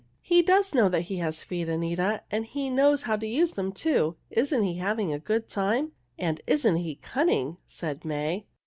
"He does know that he has feet, Anita, and he knows how to use them, too. Isn't he having a good time?" "And isn't he cunning?" said May.